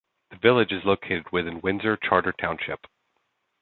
The village is located within Windsor Charter Township.